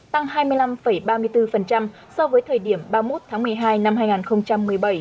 tăng hai mươi năm ba mươi bốn so với thời điểm ba mươi một tháng một mươi hai năm hai nghìn một mươi bảy